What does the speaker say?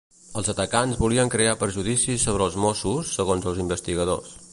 Els atacants volien crear perjudicis sobre els Mossos, segons els investigadors.